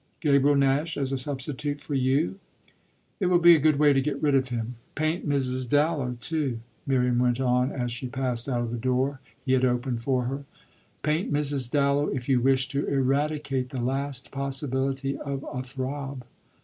"Gabriel Nash as a substitute for you?" "It will be a good way to get rid of him. Paint Mrs. Dallow too," Miriam went on as she passed out of the door he had opened for her "paint Mrs. Dallow if you wish to eradicate the last possibility of a throb."